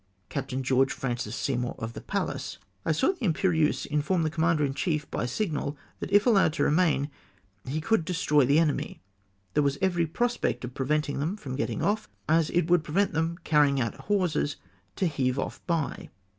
Captain Gteorue Francis Seymour (of the Pallas.) —" I saw the Imperieuse inform the Commander in chief, by sig nal, that if allowed to remain he could destroy the enemy : there was every prospect of preventing them from getting off, as it would prevent their carrying out hawsers to heave off by.